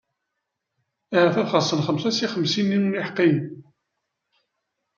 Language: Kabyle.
Ahat ad xaṣṣen xemsa si xemsin-nni n iḥeqqiyen.